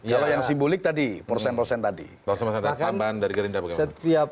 kalau yang simbolik tadi persen persen tadi